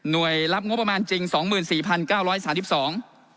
นวยรับงบประมาณจริง๒๔๙๓๒ล้าน